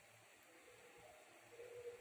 Uganda yabakia kwenye kiwango cha kipato cha chini